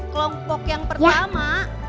kelompok yang pertama